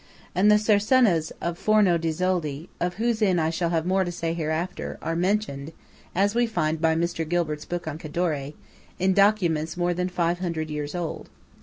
And the Cercenas of Forno di Zoldo, of whose inn I shall have more to say hereafter, are mentioned, as we find by Mr. Gilbert's book on Cadore, in documents more than five hundred years old.